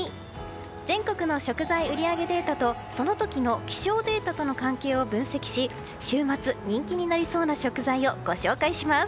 全国の食材売り上げデータとその時の気象データとの関係を分析し週末、人気になりそうな食材をご紹介します。